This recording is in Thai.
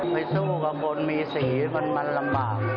ไปสู้กับคนมีสีมันลำบาก